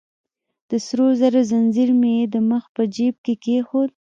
د سرو زرو ځنځیر مې يې د مخ په جیب کې کېښود.